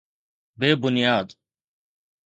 بي بنياد.